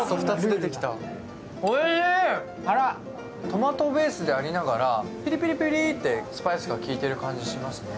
トマトベースでありながら、ピリピリピリとスパイスが効いてる感じがしますね。